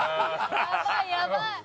「やばいやばい！」